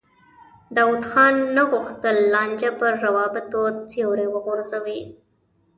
داود خان نه غوښتل لانجه پر روابطو سیوری وغوړوي.